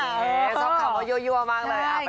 สอบถามว่ายัวมากเลย